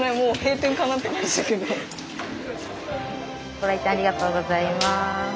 ご来店ありがとうございます。